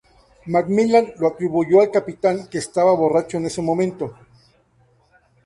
MacMillan lo atribuyó al capitán, que estaba borracho en ese momento.